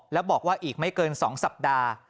แล้วบอกว่าอีกไม่เกิน๒สัปดาห์